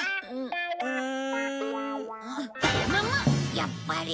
やっぱり。